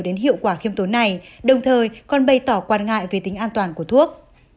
đến hiệu quả khiêm tốn này đồng thời còn bày tỏ quan ngại về tính an toàn của thuốc